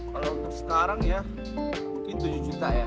kalau untuk sekarang ya mungkin tujuh juta ya